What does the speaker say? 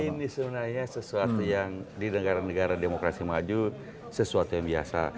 ini sebenarnya sesuatu yang di negara negara demokrasi maju sesuatu yang biasa